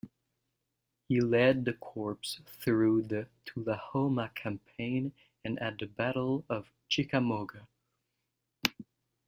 He led the corps through the Tullahoma Campaign and at the Battle of Chickamauga.